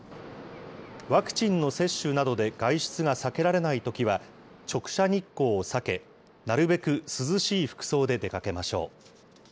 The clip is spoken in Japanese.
ワクチンの接種などで外出が避けられないときは、直射日光を避け、なるべく涼しい服装で出かけましょう。